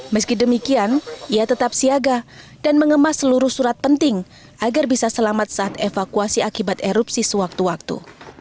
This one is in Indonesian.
meski demikian ia tetap siaga dan mengemas seluruh surat penting agar bisa selamat saat evakuasi akibat erupsi sewaktu waktu